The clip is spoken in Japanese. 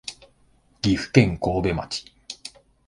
岐阜県神戸町